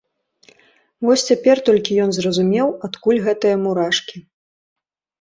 Вось цяпер толькі ён зразумеў, адкуль гэтыя мурашкі.